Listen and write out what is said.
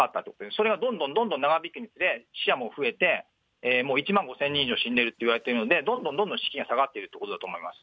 それがどんどんどんどん長引くにつれ、死者も増えて、もう１万５０００人以上死んでいるといわれているので、どんどんどんどん士気が下がっているということだと思います。